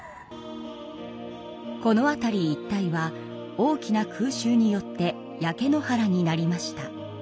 この辺り一帯は大きな空襲によって焼け野原になりました。